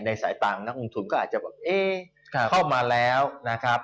สายตาของนักลงทุนก็อาจจะแบบเอ๊ะเข้ามาแล้วนะครับ